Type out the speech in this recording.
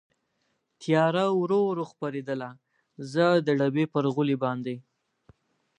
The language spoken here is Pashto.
تېاره ورو ورو خپرېدل، زه د ډبې پر غولي باندې.